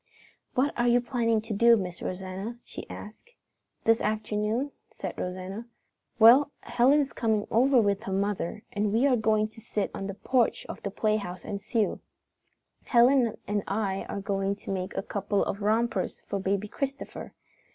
"What are you planning to do, Miss Rosanna?" she asked. "This afternoon?" said Rosanna. "Well, Helen is coming over with her mother and we are going to sit on the porch of the playhouse and sew. Helen and I are going to make a couple of rompers for Baby Christopher.